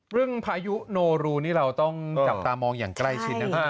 พายุโนรูนี่เราต้องจับตามองอย่างใกล้ชิดนะครับ